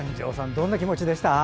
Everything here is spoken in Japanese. どんな気持ちですか？